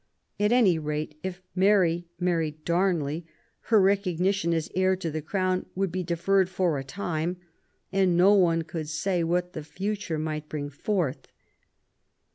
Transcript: At any rate, if Mary married Darnley, her recognition as heir 88 QUEEN ELIZABETH, to the Crown would be deferred for a time ; and no one could say what the future might bring forth.